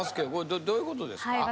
どういうことですか？